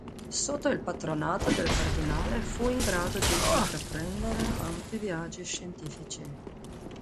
Sotto il patronato del cardinale fu in grado di intraprendere ampi viaggi scientifici.